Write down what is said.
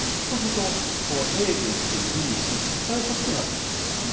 そうするとＡという薬ＢＣっていっぱい欲しくなっちゃうんですね。